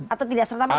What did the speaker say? atau tidak serta merta